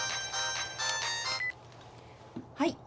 はい。